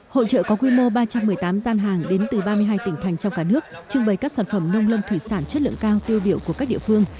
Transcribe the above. hội trợ có quy mô ba trăm một mươi tám gian hàng đến từ ba mươi hai tỉnh thành trong cả nước trưng bày các sản phẩm nông lâm thủy sản chất lượng cao tiêu biểu của các địa phương